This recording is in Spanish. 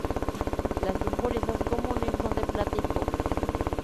Las impurezas comunes son de plata y cobre.